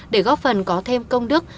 để góp phần có thêm công đức